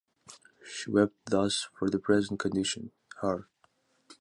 She wept thus for the present condition - her